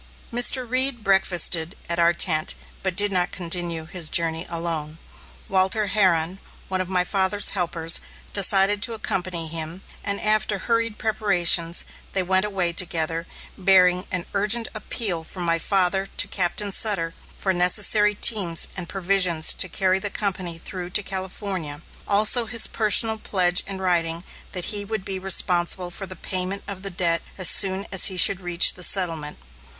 Mr. Reed breakfasted at our tent, but did not continue his journey alone. Walter Herron, one of my father's helpers, decided to accompany him, and after hurried preparations, they went away together, bearing an urgent appeal from my father to Captain Sutter for necessary teams and provisions to carry the company through to California, also his personal pledge in writing that he would be responsible for the payment of the debt as soon as he should reach the settlement.